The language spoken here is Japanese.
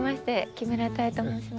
木村多江と申します。